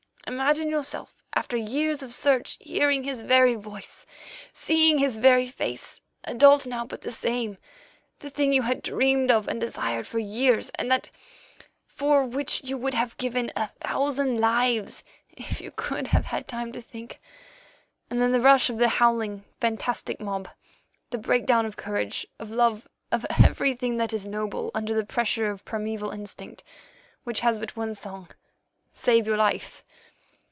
Imagine yourself, after years of search, hearing his very voice, seeing his very face, adult now, but the same, the thing you had dreamed of and desired for years; that for which you would have given a thousand lives if you could have had time to think. And then the rush of the howling, fantastic mob, the breakdown of courage, of love, of everything that is noble under the pressure of primæval instinct, which has but one song—Save your life.